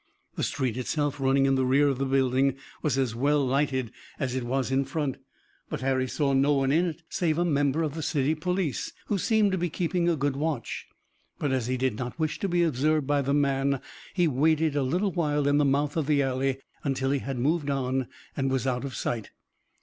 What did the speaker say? The street itself running in the rear of the building was as well lighted as it was in front, but Harry saw no one in it save a member of the city police, who seemed to be keeping a good watch. But as he did not wish to be observed by the man he waited a little while in the mouth of the alley, until he had moved on and was out of sight.